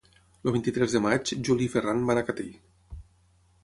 El vint-i-tres de maig en Juli i en Ferran van a Catí.